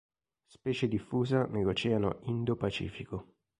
Specie diffusa nel Oceano Indo-Pacifico.